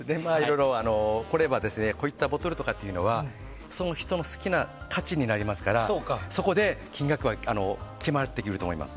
こういったボトルとかはその人の好きな価値になりますからそこで金額は決まってくると思います。